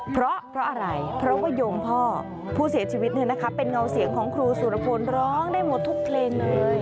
เพราะอะไรเพราะว่าโยมพ่อผู้เสียชีวิตเป็นเงาเสียงของครูสุรพลร้องได้หมดทุกเพลงเลย